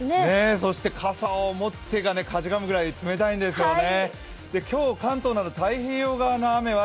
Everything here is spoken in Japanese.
そして、傘を持つ手がかじかむくらい冷たいんですよね。